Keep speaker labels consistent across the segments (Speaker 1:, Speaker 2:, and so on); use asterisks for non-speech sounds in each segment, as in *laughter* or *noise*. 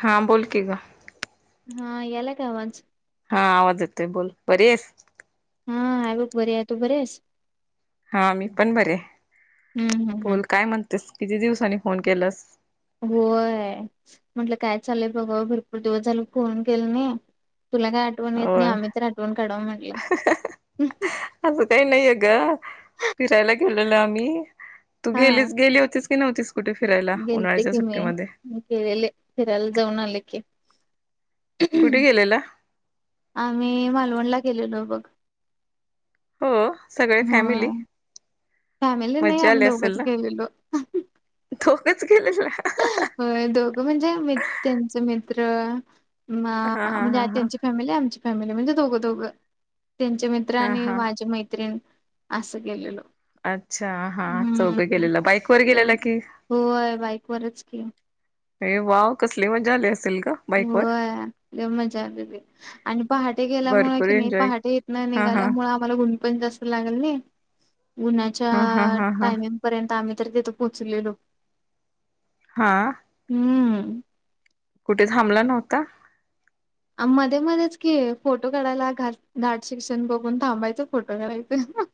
Speaker 1: हा बोल की ग.
Speaker 2: हा आला की आवाज
Speaker 1: हा आवाज येतोय बोल बरी आहेस
Speaker 2: हा आहे बघ बरी आहेस तू बरी आहेस.
Speaker 1: हा आम्ही पण बरे
Speaker 2: हम्म हम्म हम्म
Speaker 1: बोल काय म्हणतेस किती दिवसांनी फोन केलास.
Speaker 2: होय म्हटलं काय चाललय बघाव भरपूर दिवस झाल फोन केल नाही. तुला काय आठवण येत नाही
Speaker 1: होय
Speaker 2: आम्ही तर आठवण काढावं म्हटलं
Speaker 1: असं काही नाहीये ग फिरायला गेलेलो आम्ही तू
Speaker 2: ह. हा
Speaker 1: गेलीच गेली होतीस की नव्हतीस कुठे फिरायला
Speaker 2: गेलते
Speaker 1: उन्हाळ्याच्या
Speaker 2: की मी
Speaker 1: सुट्टीमध्ये
Speaker 2: गेलेले फिरायला जाऊन आले की
Speaker 1: कुठे गेलेला
Speaker 2: आम्ही मालवणला गेलेलो बघ.
Speaker 1: हो. सगळे
Speaker 2: हो
Speaker 1: फॅमिली
Speaker 2: फॅमिली नाही
Speaker 1: मज्जा
Speaker 2: आम्ही
Speaker 1: आली असेल
Speaker 2: दोघंच
Speaker 1: ना.
Speaker 2: गेलेलो
Speaker 1: *unintelligible*
Speaker 2: होय दोघं म्हणजे मि त्यांचे मित्र म
Speaker 1: हा हा
Speaker 2: म्हणजे आ
Speaker 1: हा हा
Speaker 2: त्यांची फॅमिली आमची फॅमिली म्हणजे दोघं दोघं. त्यांचे मित्र
Speaker 1: हा
Speaker 2: आणि
Speaker 1: हा
Speaker 2: माझी मैत्रिण असं गेलेलो.
Speaker 1: अच्छा हा चौघं
Speaker 2: हम्म
Speaker 1: गेलेला बाईक वर गेलेला कि
Speaker 2: ओके.
Speaker 1: अरे वाव कसली मजा आली असेल. ग बाईक वर
Speaker 2: होय मजा आली की आणि पहाटे गेल्यामुळे
Speaker 1: भरपूर
Speaker 2: की नाही
Speaker 1: एन्जॉय
Speaker 2: पहाटे इथन निघालो.
Speaker 1: हा हा
Speaker 2: निघाल्यामुळे आम्हाला ऊन पण जास्त लागल नाही. उन्ह्हाच्या
Speaker 1: हा हा हा हा
Speaker 2: टायमिंग पर्यंत आम्ही तर तिथे पोचलेलो.
Speaker 1: हा.
Speaker 2: *unintelligible*
Speaker 1: कुठे थांबला नव्हता?
Speaker 2: मध्ये मध्येच कि फोटो काढायला घ धाट शिक्षण बघून थांबायच फोटो काढयचो.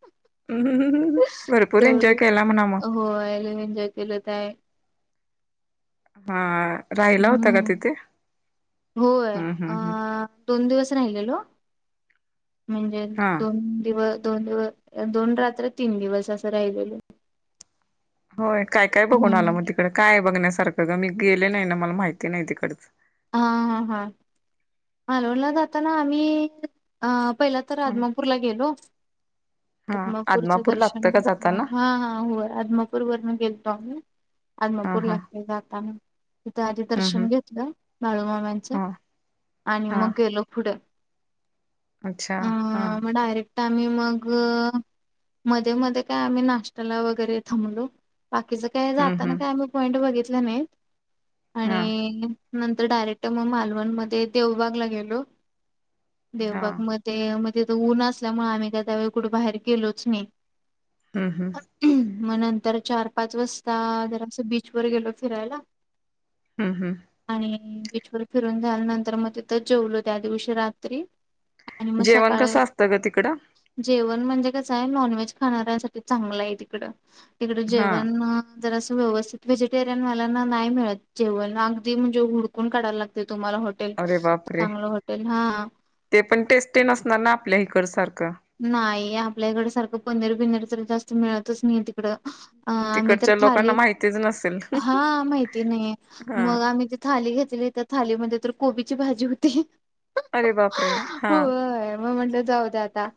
Speaker 1: हम्म. भरपूर एन्जॉय
Speaker 2: तेवढं
Speaker 1: केला म्हणा मग
Speaker 2: हो लई एन्जॉय केलं तर आहे.
Speaker 1: हा राहिला होता का
Speaker 2: हम्म
Speaker 1: तिथे?
Speaker 2: होय
Speaker 1: हम्म हम्म
Speaker 2: अ
Speaker 1: हम्म
Speaker 2: दोन दिवस राहिलेलो. म्हणजे
Speaker 1: हा
Speaker 2: दोन दिवस दोन दिव दोन रात्र तीन दिवस असं राहिलेलं.
Speaker 1: होय काय काय बघून आला मग तिकड काय बघण्यासारखं ग मी गेले नाही ना मला माहिती नाही तिकडच.
Speaker 2: हा हा हा मालवडला जाताना आम्ही अ पहिला तर
Speaker 1: हा
Speaker 2: आदमापूरला गेलो.
Speaker 1: हा.
Speaker 2: अद्मापूरचं
Speaker 1: आदमापूर लागतं
Speaker 2: दर्शन
Speaker 1: का
Speaker 2: घेतलं
Speaker 1: जाताना
Speaker 2: हाा होय अदमापूर वरून गेलतो आम्ही
Speaker 1: हा
Speaker 2: अदमपूर
Speaker 1: हा
Speaker 2: लाक जातना तिथे आधी
Speaker 1: हम्म
Speaker 2: दर्शन
Speaker 1: हम्म
Speaker 2: घेतलं बाळूमाम्यांचं
Speaker 1: हा
Speaker 2: आणि
Speaker 1: हा
Speaker 2: मग गेलो पुढे
Speaker 1: अच्छा हा.
Speaker 2: आमही मग मध्ये मध्ये काय आम्ही नाश्त्याला वगैरे थांबलो. बाकीचं काय
Speaker 1: हम्म
Speaker 2: जाताना
Speaker 1: हम्म
Speaker 2: काय आम्ही पॉइंट बघितलं नाहीत
Speaker 1: हा
Speaker 2: आणि नंतर डायरेक्ट मग मालवण मध्ये देवबागला गेलो.
Speaker 1: हा
Speaker 2: देवबाग मध्ये म तिथे ऊन असल्यामुळे आम्ही का त्यावेळी कुठे बाहेर गेलोच नाही.
Speaker 1: हम्म हम्म.
Speaker 2: मग नंतर चार पाच वाजता जरा असं बीच वर गेलो फिरायला.
Speaker 1: हम्म हम्म.
Speaker 2: आणि बीचवर फिरून झाल्यानंतर मग तिथंच जेवलो त्या दिवशी रात्री. आणि मग
Speaker 1: जेवण
Speaker 2: सकाळी
Speaker 1: कसं असतं ग तिकडं
Speaker 2: जेवण म्हणजे आहे नॉनव्हेज खाणाऱ्यासाठी चांगलं आहे तिकड तिकड
Speaker 1: हा
Speaker 2: जेवण जर असं व्यवस्थित व्हेजिटेरियन वाल्यांना नाही मिळत जेवण अगदी म्हणजे हुडकून काढायला लागतय. तुम्हाला हॉटेल
Speaker 1: अरे बापरे
Speaker 2: चांगलं हॉटेल हा
Speaker 1: पण टेस्टी ते नसणार ना आपल्या इकड सारखं.
Speaker 2: नाही आपल्या इकड सारखं पनीर बिनीर तर जास्त मिळतच नाही तिकडं. अ आम्ही तर
Speaker 1: तिकडच्या लोकांना
Speaker 2: थाली
Speaker 1: माहितीच नसेल
Speaker 2: हा माहिती नाही
Speaker 1: हा
Speaker 2: मग आम्ही ती थाली घेत थालीमध्ये तर कोबीची भाजी होती.
Speaker 1: अरे बापरे हा.
Speaker 2: होय मग म्हटलं जाऊ द्या आता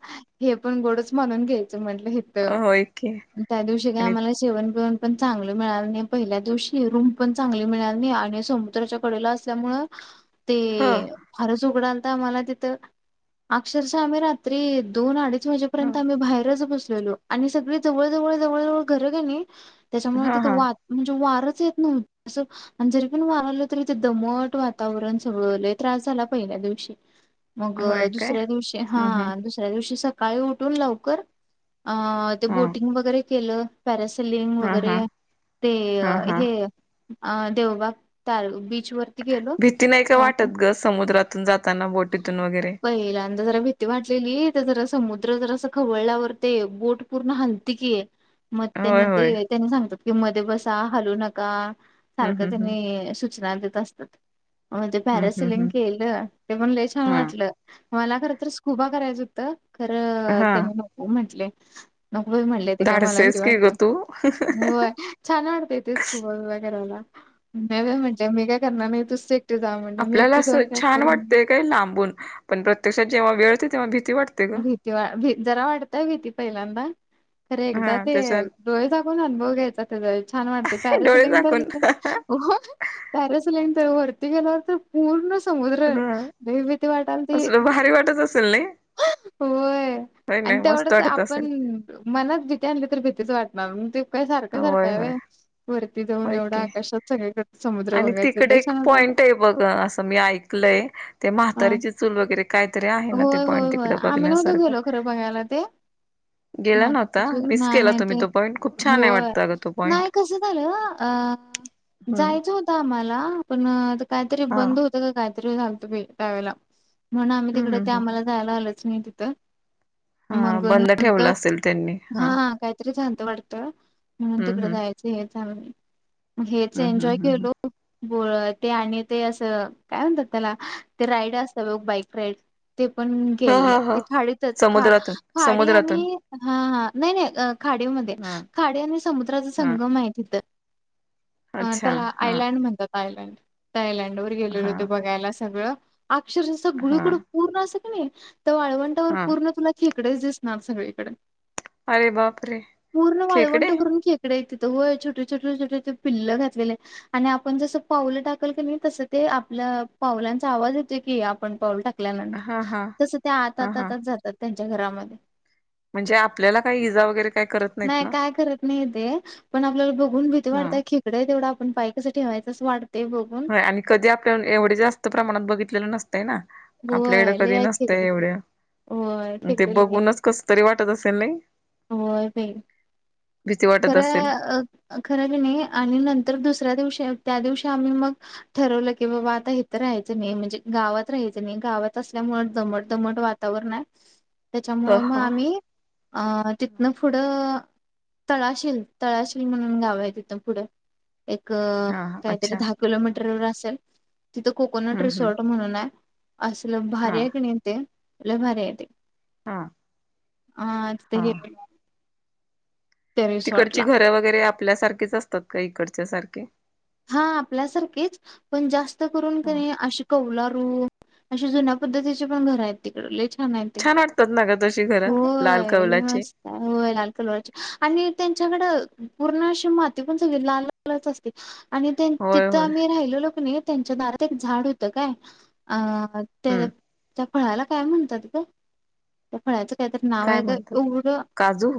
Speaker 2: हे पण गोडच माणून घ्यायचं म्हंटलं हित
Speaker 1: होय की
Speaker 2: त्या दिवशी काय
Speaker 1: आणि
Speaker 2: आम्हाला जेवण बिवन पण चांगल मिळाणार नाही पहिल्या दिवशी रूम पण चांगली मिळाणार नाही आणि समुद्राच्या कडेला असल्यामुळ ते
Speaker 1: ह
Speaker 2: फारच उघडाल त आम्हाला तिथ अक्षरश आम्ही रात्री दोन अडीच वाजे
Speaker 1: ह
Speaker 2: पर्यंत आम्ही बाहेरच बसलेलो आणि सग जवळ जवळ जवळ जवळ घर कनी त्याच्यामुळे
Speaker 1: हा
Speaker 2: तिथं
Speaker 1: हा
Speaker 2: वार म्हणजे वार वारा जरी पण वाारलं तरी दमट वातावरण सगळ त्रास झाला पहिले. ल्या दिवशी. मग
Speaker 1: होय काय
Speaker 2: दुसऱ्या दिवशी
Speaker 1: हम्म
Speaker 2: हा दुसऱ्या दिवशी सकाळी उठून लवकर अ ते
Speaker 1: हम्म
Speaker 2: बोटिंग वगैरे केलं पॅरेस लिंग
Speaker 1: हा हा हा
Speaker 2: वगैरे ते अ
Speaker 1: हा हा
Speaker 2: हे देवबाग ताल बी च वरती गेलो
Speaker 1: भीती नाही का
Speaker 2: त्यात
Speaker 1: वाटत ग समुद्रातून जाताना बोटीतून वगैरे
Speaker 2: पहिल्यां जरा भीती वाटलेली जरा समुद्र जर अस खवळल्यावर ते बोट पूर्ण हलती की. मग
Speaker 1: होय
Speaker 2: त्यांनी
Speaker 1: होय
Speaker 2: ते त्यांनी सांगतात की मध्ये बसा हलू नका
Speaker 1: हम्म
Speaker 2: सारखं
Speaker 1: हम्म हम्म
Speaker 2: त्यांनी सूचना देत असतात म्हणजे
Speaker 1: हम्म हम्म
Speaker 2: पॅरासिलिंग
Speaker 1: हम्म
Speaker 2: केलं ते पण लई छान
Speaker 1: हा
Speaker 2: वाटलं मला खरंतर स्कुबा करायचं होत, खरं
Speaker 1: हा
Speaker 2: त्यानी नको म्हटले.. नक म्हणलेयेते काय मला कुी
Speaker 1: धाडसेस की ग
Speaker 2: वाटते
Speaker 1: तू
Speaker 2: छान वाटते य तेे स्कूल करायला. म म म्हणजा मी काय करणार नाही तुस.
Speaker 1: आपल्याला असं छान वाटतय काही लांबून पण प्रत्यक्षात जेव्हा वेळते तेव्हा भी.
Speaker 2: भीती वा भी जरा वाढतय भीती पहिल्यांदा. खरे एकदा
Speaker 1: हा
Speaker 2: ते
Speaker 1: त्याच्या
Speaker 2: डोळे सागून अनुभव घ्यायचा ते छान वाटते
Speaker 1: डोळे
Speaker 2: पॅरेसलान.
Speaker 1: झाकून
Speaker 2: पॅरासिलाईन तर वरती गेल्यावर तर पूर्ण. समुद्र
Speaker 1: ह
Speaker 2: भ भीती वाटाल ती
Speaker 1: असलं भारी वाटत असेल नाही
Speaker 2: होय
Speaker 1: होय
Speaker 2: आणि
Speaker 1: नाही मस्त
Speaker 2: तेवढंच
Speaker 1: वाटत
Speaker 2: आपण
Speaker 1: असेल
Speaker 2: मनाच जिथे आणली तर भीतीच वाटते. मग मग ते काय सारखं सारखं
Speaker 1: होय होय
Speaker 2: आहे वरती जाऊन
Speaker 1: होय
Speaker 2: एवढं
Speaker 1: की
Speaker 2: आकाशात सगळे कर.
Speaker 1: आणि तिकडे एक पॉइंट आहे बघ असं मी ऐकलंय ते म्हातारीची चूल वगैरे काय. कातरी आहे ना ते.
Speaker 2: हो
Speaker 1: पॉईंट
Speaker 2: होय
Speaker 1: तिकडे
Speaker 2: आम्ही नव्हतं
Speaker 1: बघण्यासारखं
Speaker 2: गेलो खरं बघायला ते.
Speaker 1: गेला नव्हता
Speaker 2: नाही
Speaker 1: मिस केला
Speaker 2: नाही ते
Speaker 1: तुम्ही तो पॉईंट खूप छान
Speaker 2: हो
Speaker 1: आहे वाटतं अगं तो पॉईंट
Speaker 2: नाही कस झालं. अ
Speaker 1: हम्म
Speaker 2: जायचं होत. मला पण आता काहीतरी
Speaker 1: हा
Speaker 2: बंद होतं का काहीतरी सांगतो मी त्यावेळेला. म्हणून आम्ही
Speaker 1: हम्म
Speaker 2: तिकड
Speaker 1: हम्म
Speaker 2: ते
Speaker 1: हम्म
Speaker 2: आम्हाला जायला आलच नाही तिथं
Speaker 1: हा
Speaker 2: मग
Speaker 1: बंद
Speaker 2: नंतर.
Speaker 1: ठेवला असेल त्यांनी
Speaker 2: हा काहीतरी लत वाटतं म्हणून
Speaker 1: हम्म
Speaker 2: तिकड
Speaker 1: हम्म
Speaker 2: जायचं हे. हेच
Speaker 1: हम्म
Speaker 2: एन्जॉय
Speaker 1: हम्म हम्म
Speaker 2: केल. बोळ ते आणि ते असं काय म्हणतात त्याला ते राईड असत बघ बाईक राईड ते.
Speaker 1: हा हा हा
Speaker 2: के खाडीतच ख
Speaker 1: समुद्रातून
Speaker 2: खाडी
Speaker 1: समुद्रातून
Speaker 2: आणि ह नाही नाही खाडी.
Speaker 1: हा
Speaker 2: खाडे आणि समुद्राचा
Speaker 1: हा
Speaker 2: संगम आहे तिथं अ
Speaker 1: अच्छा
Speaker 2: त्याला
Speaker 1: हा
Speaker 2: आयलँड म्हणतात. तायलंड तायलंड वर गेलेले
Speaker 1: हा
Speaker 2: होते बघायला सगळं अक्षरश असं
Speaker 1: हा
Speaker 2: गुडकुड पूर्ण अस. तर वाळवंटावर
Speaker 1: हा
Speaker 2: पूर्ण तुला खेकडेच दिसणार सगळीकडे.
Speaker 1: अरे बापरे
Speaker 2: पूर्ण
Speaker 1: खेकडे
Speaker 2: माळवंट करून खेकड्या त छोटे छोट छटे पिल्ल घातलेले आणि आपण जस पावलं टाकल क तस ते आप. पावलांचा आवाज होत की आपण पाऊल टाक
Speaker 1: हा हा
Speaker 2: ल्यानंतर तस त्या
Speaker 1: हा हा
Speaker 2: आताच जातात त्यांच्या घरामध्ये
Speaker 1: म्हणजे आपल्याला काही इजा वगैरे काय करत नाहीत
Speaker 2: नाही
Speaker 1: ना
Speaker 2: काय करत नाही ते पण आपल्याला बघून भ
Speaker 1: हा
Speaker 2: वाटतय खेगड तेवढं आपण पाईसाठी हवाय तसं वा
Speaker 1: ह आणि कधी आपल्या एवढे जास्त प्रमाणात बघितलेलं नसत. ना आपल्याकडें
Speaker 2: होय लय
Speaker 1: कधी
Speaker 2: आहेत
Speaker 1: नसत
Speaker 2: खेकडे तिकडं.
Speaker 1: एवढं.
Speaker 2: होय
Speaker 1: ते
Speaker 2: खेकडे
Speaker 1: बघूनच कस तरी वाटत असेल नाही.
Speaker 2: होय बाई
Speaker 1: भीती वाटत असेल
Speaker 2: खरं खर ल नाही आणि नंतर दुसऱ्या दिवशी. त्या दिवशी आम्ही मग ठरवलं क आता इथ राहायच म्हणजे गावात राहाय गाात. ल्यामुळे दमट दमट वातावरण आहे.
Speaker 1: ह
Speaker 2: त्याच्यामुळं मग
Speaker 1: ह
Speaker 2: आम्ही अ तिथनं पुढं तळाशील तळाशील म्हणून गाव आहे तिथं पुढे. एक
Speaker 1: हा
Speaker 2: काहीतरी
Speaker 1: अच्छा
Speaker 2: दहा किलोमीटरवर असेल. तिथं कोकोनट
Speaker 1: हम्म हम्म
Speaker 2: रिसॉर्ट म्हणून आहे. असल
Speaker 1: हा
Speaker 2: भारी आहे क नाही येत भारी येत.
Speaker 1: हा
Speaker 2: अाज ते
Speaker 1: हा
Speaker 2: हे.
Speaker 1: तिकडची घरं वगैरे आपल्यासारखीच असतात का इकडच्या सारखे.
Speaker 2: हा आपल्यासारखेच पण जास्त करून
Speaker 1: हा.
Speaker 2: अ कवल अ जुन्या पद्धतीचे पण घर आहेत तिकड.
Speaker 1: छान वाडतात नगद.
Speaker 2: होय मस्त होय लाल कलोची आणि त्यांच्याकडं. पूर्ण अशी माती पण सगळी लाललच असते. आणि
Speaker 1: होय
Speaker 2: तिथं
Speaker 1: होय
Speaker 2: आम्ही राहिलो लोक नाही त्यांच्या दारात एक झाड होतं काय अ. त्या
Speaker 1: हम्म
Speaker 2: त्या फळाला काय म्हणतात का त्या फळच त्यात
Speaker 1: काय म्हणतात
Speaker 2: नावागढं
Speaker 1: काजू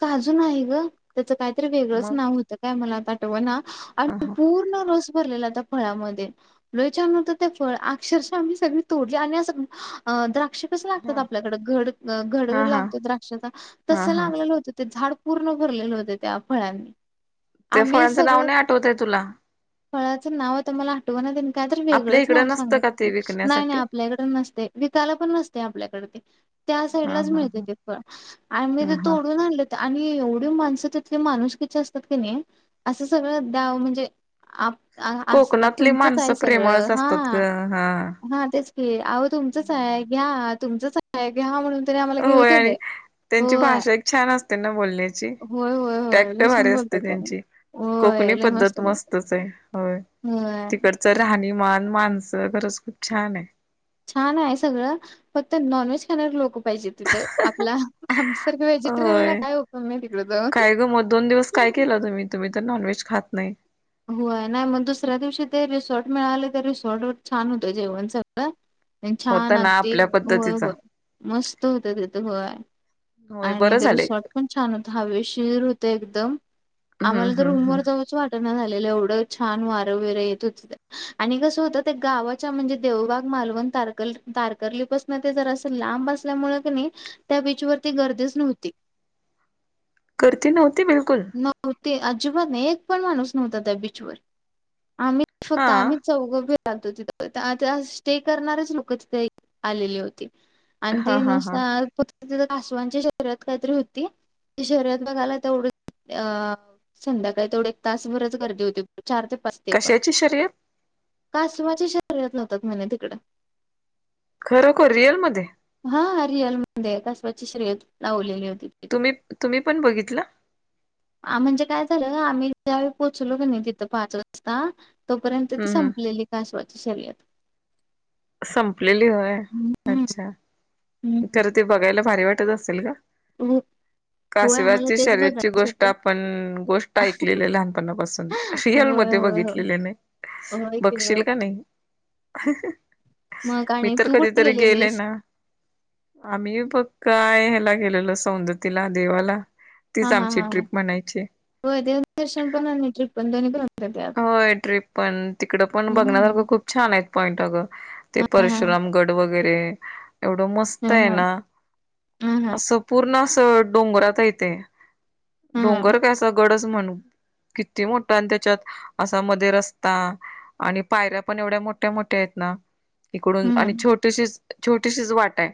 Speaker 2: काजून आहे ग त्याचं काहीतरी वेगळंच
Speaker 1: मग
Speaker 2: नाव होतं काय मला आता आठव ना
Speaker 1: ह
Speaker 2: आणि
Speaker 1: हा
Speaker 2: पूर्ण रस भर त्या फळामध्ये लोच्यात ते फळ अक्षरश आम्ही सग तोडली आणि अस दक्ष कस
Speaker 1: हा
Speaker 2: लागतात
Speaker 1: हा
Speaker 2: आपल्याकडेडडड
Speaker 1: हा
Speaker 2: लागतो द्राक्षाचा
Speaker 1: हा
Speaker 2: तसं
Speaker 1: हा
Speaker 2: लागलेलं होतं ते झाड पूर्ण भरलेले होते त्या फळांनी
Speaker 1: त्या
Speaker 2: आम्ही
Speaker 1: फळांचं
Speaker 2: सगळं
Speaker 1: नाव नाही आठवतय तुला
Speaker 2: फळाचं नाव तुमला आठव ना काय तर
Speaker 1: आपल्या
Speaker 2: वेगळंच
Speaker 1: इकडं
Speaker 2: नाव
Speaker 1: नसतं
Speaker 2: सांगा
Speaker 1: का ते
Speaker 2: नाही नाही
Speaker 1: विकण्यासाठी
Speaker 2: आपल्याकडे नसते विकाला पण नसते आपल्याकडे ते त्या साईड
Speaker 1: हा
Speaker 2: लाच
Speaker 1: हा
Speaker 2: मिळत ते फ आणि मग
Speaker 1: हा
Speaker 2: ते
Speaker 1: हा
Speaker 2: तोडून आणलं आणि की एवढी माणसं तिथली माणुस किचे असतात की नाही असं सगळं द्या म्हणजे अ अस
Speaker 1: कोकणातली
Speaker 2: तुमचंच
Speaker 1: माणसं
Speaker 2: आहे सगळं
Speaker 1: प्रेमळच
Speaker 2: हा
Speaker 1: असतात ग हा
Speaker 2: हा तेच क अहो तुमचंच
Speaker 1: हा
Speaker 2: आहे घ्या तुमचच आहे घ्या म्हणून तरी आम्हाला घेऊ
Speaker 1: होय
Speaker 2: दिले
Speaker 1: आणि त्यांची
Speaker 2: होय
Speaker 1: भाषा एक छान असते ना बोलण्याची
Speaker 2: होय
Speaker 1: टॅक्ट भारी असते त्यांची
Speaker 2: हो
Speaker 1: पद्त मस्तच आहे हो
Speaker 2: होय
Speaker 1: तिकडच राहणी मन माणसं खरंच खूप छान आहे
Speaker 2: छान आहे सगळं फक्त नॉन व्हेज खाणार लोक पाहिजे तिथं आपला आसारख व्हेजिटेरियन ला
Speaker 1: होय
Speaker 2: काय होकम नाही तिकड जा
Speaker 1: काय ग मग दोन दिवस काय केला तुम्ही तुम्ही तर नॉनव्हेज खात नाही
Speaker 2: होय नाही मग दुसऱ्या दिवशी ते रिसॉर्ट मिळाले तर रिसॉर्ट व छान होतं जेवण सगळं छान
Speaker 1: होता ना
Speaker 2: अगदी
Speaker 1: आपल्या
Speaker 2: होय
Speaker 1: पद्धतीचा
Speaker 2: होय मस्त होत तिथ होय
Speaker 1: होय
Speaker 2: आणि
Speaker 1: बरं झालंय
Speaker 2: रिसॉर्ट पण छान होत हवे शिर होते एकदम
Speaker 1: हम्म
Speaker 2: आम्हाला तर
Speaker 1: हम्म हम्म
Speaker 2: रूमवर जावचं वाटेल एवढ छान वार वरे येत हो आणि कस होत ते गावाच्या म्हणजे देग ल्या त्या ब ग *unintelligible*
Speaker 1: करती नव्हती बिलकुल
Speaker 2: ते अजिबात नाही एक पण माणूस नव्हता त्या बीचवर आम्ही
Speaker 1: हा
Speaker 2: फक्त आम्हीच चौ ज तिथ आ स्टे करणारच लोक तिथे आलेली होती आणि
Speaker 1: हा
Speaker 2: ते
Speaker 1: हा हा
Speaker 2: नुसार तिथ कासवांच्या शरीरात काहीतरी होती शरीरात बघाला तेवढं अ संध्याकाळी तेवढ एक तासभर गर्दी होती चार ते पाच ते पण
Speaker 1: कशाची शर्यत
Speaker 2: कासमाची शरीरात नव्हतात म्हणे तिकडं
Speaker 1: खरो खर रिअलमध्येध्ये
Speaker 2: हा रिअल म्हण कसवाची श्रेयत लावलेली होती तिथे
Speaker 1: ुम्ही तुम्ही पण बघितलं
Speaker 2: म्हणजे काय झालं आम्ही ज्यावेळी पोहोचलो
Speaker 1: हम्म
Speaker 2: क नाही तिथं पाच वाजता तोपर्यंत त
Speaker 1: हम्म
Speaker 2: संपलेली कासवाची शर्यत
Speaker 1: संपलेली होय
Speaker 2: हम्म
Speaker 1: अच्छा तर ते बघायला भारी वाटत असेल का
Speaker 2: व
Speaker 1: काशिवाची शर्यची गोष्ट आपण गोष्ट ऐकलेली लहानपणापासून रियल म
Speaker 2: होय होय होय.
Speaker 1: बघितले
Speaker 2: होय की होय.
Speaker 1: बघशील का नाही
Speaker 2: मग
Speaker 1: मी
Speaker 2: आणि
Speaker 1: तर
Speaker 2: तू कुठे
Speaker 1: कधीतरी गेले
Speaker 2: गेलेलीस?
Speaker 1: ना आम्ही बघ काय ह्याला गेलेलो सौंदतीला देवाला
Speaker 2: हा
Speaker 1: तीच
Speaker 2: हा
Speaker 1: आमची
Speaker 2: हा ह
Speaker 1: ट्रिप म्हणायची
Speaker 2: होय तेव दर्शन पण ट्रीप पण दोनी ब
Speaker 1: होय ट्रीप पण तिकड पण बघण्यासारखं
Speaker 2: हम्म.
Speaker 1: खूप छान आहेत पॉइंट अगं ते
Speaker 2: हा हा.
Speaker 1: परशुराम गड वगैरे एवढं
Speaker 2: हा
Speaker 1: मस्त आहे
Speaker 2: हा.
Speaker 1: ना
Speaker 2: हा हा.
Speaker 1: असं पूर्ण असं डोंगरात य तेे
Speaker 2: हा.
Speaker 1: डोंगर कसा गडच म्हण किती मोठा आणि त्याच्यात असा म रस्ता आणि पायऱ्या पण एवढ्या मोठ्या मोठ्या आहेत ना. इकडून आणि
Speaker 2: हम्म.
Speaker 1: छोटीशी छोटीशीच वाट आहे,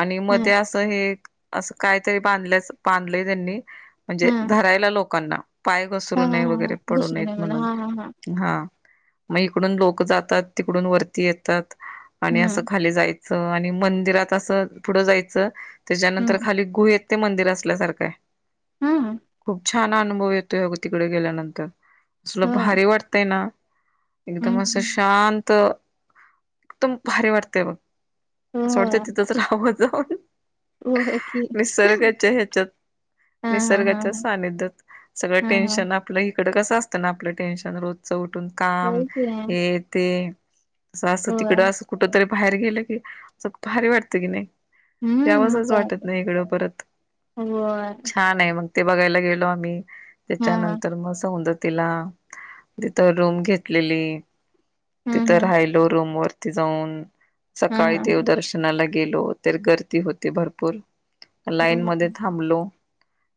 Speaker 1: आणि
Speaker 2: हा
Speaker 1: मध्ये असं हे असं कायतरी बांधल्याच बांधलं त्यांनी म्हणजे
Speaker 2: हा.
Speaker 1: धरायला लोकांना पाय
Speaker 2: हा हा
Speaker 1: घसरूये
Speaker 2: हा हा.
Speaker 1: वगैरे पडू
Speaker 2: घुसली
Speaker 1: नयेत.
Speaker 2: नाही
Speaker 1: म्हणून
Speaker 2: हा हा हा.
Speaker 1: मग इडून लोक जातात तिकडून वरती येतात आणि
Speaker 2: हम्म.
Speaker 1: असं खाली जाय आणि मंदिरात असं पुढं जायचं त्याच्यानंतर
Speaker 2: हम्म.
Speaker 1: खाली गुहेत ते मंदिर असल्यासारखं आहे
Speaker 2: हम्म.
Speaker 1: खूप छान अनुभव येतोय अगो तिकडे गेल्यानंतर तुला
Speaker 2: होय.
Speaker 1: भारी वाटतय ना. एकदम असं
Speaker 2: हम्म.
Speaker 1: शांत एकदम भारी वाटते बघ. असं वाटतं
Speaker 2: होय.
Speaker 1: तिथंच राब जाऊन
Speaker 2: होय की.
Speaker 1: निसर्ग याच्या ह्याच्यात
Speaker 2: हा हा हा
Speaker 1: निसर्गाच्या
Speaker 2: हा.
Speaker 1: सानिध सगळं
Speaker 2: हा हा.
Speaker 1: टेन्शन आपलं इकडं कसं असतं ना आपलं टेन्शन रोजच उठून काम
Speaker 2: होय की.
Speaker 1: हे ते त असं
Speaker 2: होय.
Speaker 1: तिकडं असं कुठ तरी बाहेर गेलं की असं भारी वाटतं की नाही.
Speaker 2: हम्म मग
Speaker 1: त्यावसच
Speaker 2: काय
Speaker 1: वाटत
Speaker 2: तर.
Speaker 1: नाही इकडं परत
Speaker 2: होय.
Speaker 1: छान आहे मग ते बघायला गेलो आम्ही
Speaker 2: हा हा.
Speaker 1: त्याच्यानंतर मग सौ तिला तिथ रूम घेतलेली तिथ
Speaker 2: हम्म हम्म.
Speaker 1: रायलो रूम वर जाऊन
Speaker 2: हा
Speaker 1: सकाळी
Speaker 2: हा हा.
Speaker 1: देवदर्शनाला गेलो तर गर्दी होती भरपूर
Speaker 2: हम्म
Speaker 1: लाईन मध्ये
Speaker 2: हम्म
Speaker 1: थांबलो.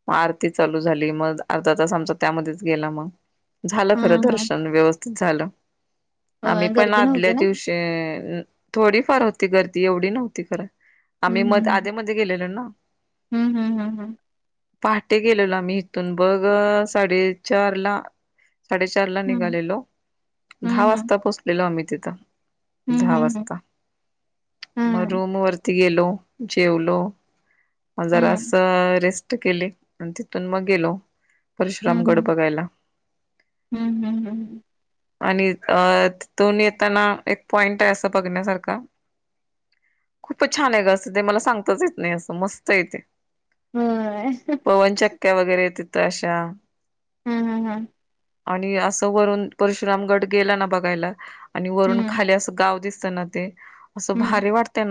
Speaker 1: मग आरती चालू झाली मग अर्धा तास आमचा त्यामध्येच गेला मग झालं खरं
Speaker 2: हम्म हम्म
Speaker 1: दर्शन व्यवस्थित झालं. आम्ही
Speaker 2: होय
Speaker 1: पण
Speaker 2: गर्दी
Speaker 1: आदल्या
Speaker 2: नव्हती ना?
Speaker 1: दिवशी थोडी फार होती गर्दी एवढी नव्हती खरं आम्ही म आधे मध्ये गेलेलो ना
Speaker 2: हम्म हम्म हम्म हम्म.
Speaker 1: पहाटे गेलेलो आम्ही इथून बघ साडेचार ला साडेचार ला
Speaker 2: हम्म
Speaker 1: निघालेलो दहा
Speaker 2: हम्म हम्म
Speaker 1: वाजता पोहोचलेलो आम्ही तिथं
Speaker 2: हम्म
Speaker 1: दहा
Speaker 2: हम्म
Speaker 1: वाजता मग
Speaker 2: हम्म
Speaker 1: रूम वरती गेलो जेवलो जरा
Speaker 2: हम्म
Speaker 1: असं रेस्ट केले आणि तिथून मग गेलो परशुराम गड
Speaker 2: हम्म
Speaker 1: बघायला.
Speaker 2: हम्म हम्म हम्म हम्.
Speaker 1: आणि अ ति दोन येताना एक पॉइंट आहे असं बघण्यासारखं खूपच छान आहे ग असं ते मला सांगताच येत नाही असं मस्त य तेे
Speaker 2: होय
Speaker 1: पवनचक्क्या वगैरे तिथं अशा
Speaker 2: हम् हम हम.
Speaker 1: आणि असं वरून परशुराम गड गेला ना बघायला, आणि वरून
Speaker 2: हम्म
Speaker 1: खाली असं गाव दिस अस
Speaker 2: हम्म
Speaker 1: भारी वाट